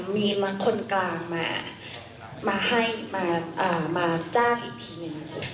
มีคนกลางมาให้มาจ้างอีกทีหนึ่ง